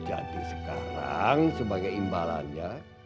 jadi sekarang sebagai imbalannya